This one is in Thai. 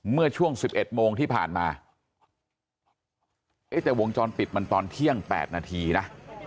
เมื่อช่วง๑๑โมงที่ผ่านมาเอ๊ะแต่วงจรปิดมันตอนเที่ยง๘นาทีนะ